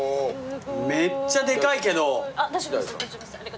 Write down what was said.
めっちゃデカいけど。